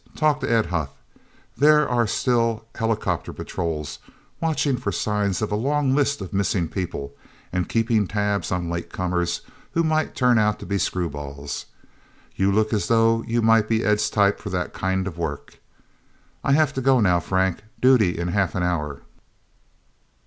Talk to Ed Huth. There still are helicopter patrols watching for signs of a long list of missing people, and keeping tabs on late comers who might turn out to be screwballs. You look as though you might be Ed's type for that kind of work... I'll have to go, now, Frank. Duty in half an hour..."